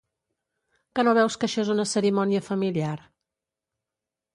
¿Que no veus que això és una cerimònia familiar?